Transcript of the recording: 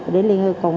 để liên hệ cùng